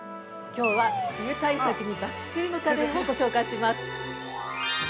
きょうは、梅雨対策にばっちりの家電をご紹介します。